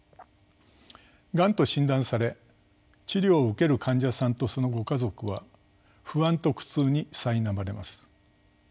がんと診断され治療を受ける患者さんとそのご家族は不安と苦痛にさいなまれます。